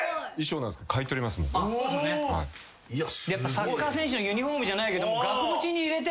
サッカー選手のユニホームじゃないけど額縁に入れて。